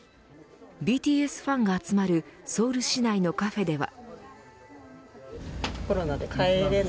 ＢＴＳファンが集まるソウル市内のカフェでは。